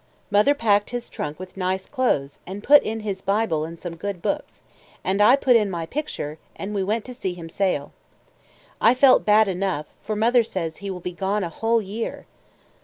Mother packed his trunk with nice clothes, and put in his Bible and some good books, and I put in my picture, and we went to see him sail. I felt bad enough, for mother says he will be gone a whole year.